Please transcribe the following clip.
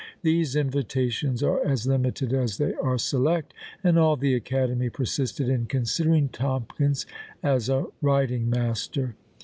These invitations are as limited as they are select, and all the Academy persisted in considering Tomkins as a writing master!